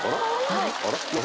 はい。